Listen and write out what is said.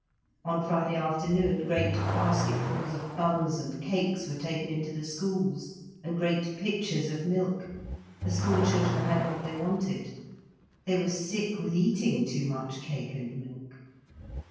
On Friday afternoon great basketfuls of buns and cakes were taken into the schools, and great pitchers of milk, the schoolchildren had what they wanted. They were sick with eating too much cake and milk.